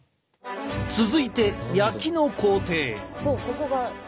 続いて焼きの工程。